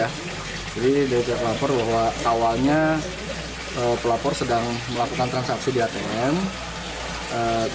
jadi dia terlapor bahwa awalnya pelapor sedang melakukan transaksi di atm